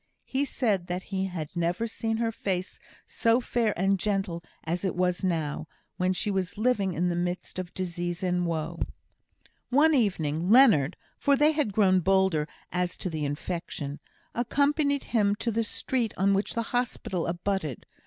He said he had never seen her face so fair and gentle as it was now, when she was living in the midst of disease and woe. One evening Leonard (for they had grown bolder as to the infection) accompanied him to the street on which the hospital abutted.